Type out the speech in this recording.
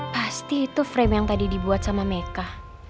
pasti itu frame yang tadi dibuat sama meka